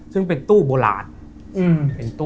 ซึ่งเป็นตู้โบราณ